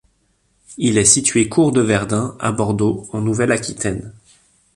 Il est situé cours de Verdun, à Bordeaux, en Nouvelle-Aquitaine.